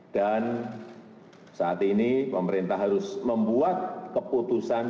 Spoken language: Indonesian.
dan saat ini pemerintah harus membuat keputusan